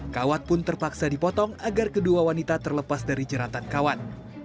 kawat pun terpaksa dipotong agar kedua wanita terlepas dari jeratan kawan